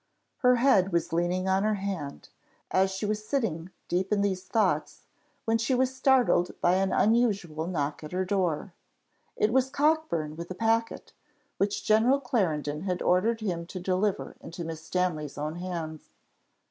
Her head was leaning on her hand, as she was sitting deep in these thoughts, when she was startled by an unusual knock at her door. It was Cockburn with a packet, which General Clarendon had ordered him to deliver into Miss Stanley's own hands.